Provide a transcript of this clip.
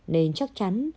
nên chắc chắn